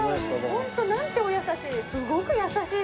ホントなんてお優しい。